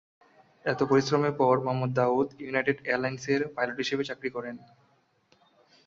এত পরিশ্রমের পর মোহাম্মদ দাউদ ইউনাইটেড এয়ারলাইন্সের পাইলট হিসেবে চাকরি করেন।